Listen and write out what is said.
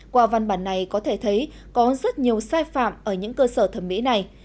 qua văn bản này có thể thấy có rất nhiều sai phạm ở những cơ sở thẩm mỹ này